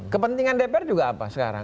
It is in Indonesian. kepentingan dpr juga apa sekarang